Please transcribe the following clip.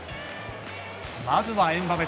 まずはエムバペ。